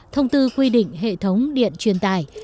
thông tư quy định hệ thống điện truyền tải